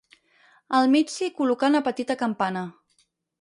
Al mig s'hi col·locà una petita campana.